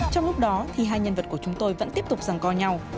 trong lúc đó thì hai nhân vật của chúng tôi vẫn tiếp tục rằng co nhau